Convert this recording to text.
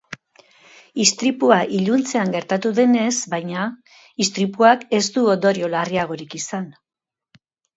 Istripua iluntzean gertatu denez, baina, istripuak ez du ondorio larriagorik izan.